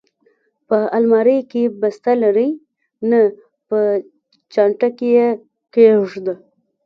په المارۍ کې، بسته لرې؟ نه، په چانټه کې یې کېږده.